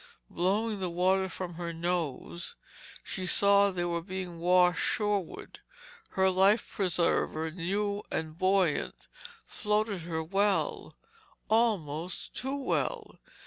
Blowing the water from her nose, she saw they were being washed shoreward. Her life preserver, new and buoyant, floated her well—almost too well.